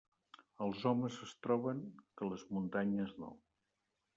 Els homes es troben, que les muntanyes no.